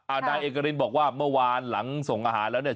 นายเอกรินบอกว่าเมื่อวานหลังส่งอาหารแล้วเนี่ย